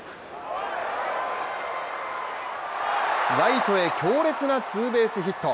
ライトへ強烈なツーベースヒット。